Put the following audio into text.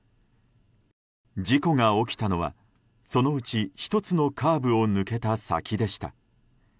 事故が起きたのは、そのうち１つのカーブを抜けた先でした。